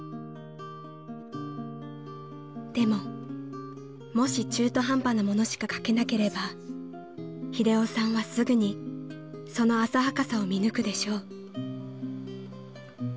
［でももし中途半端なものしか描けなければ英雄さんはすぐにその浅はかさを見抜くでしょう］